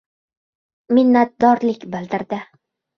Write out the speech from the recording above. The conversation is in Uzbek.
Minnatdorlik bildirdi.